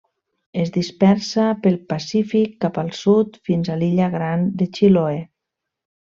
Es dispersa pel Pacífic, cap al sud fins a l'Illa Gran de Chiloé.